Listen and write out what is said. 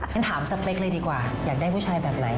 ฉันถามสเปคเลยดีกว่าอยากได้ผู้ชายแบบไหน